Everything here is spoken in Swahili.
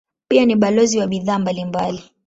Pia ni balozi wa bidhaa mbalimbali.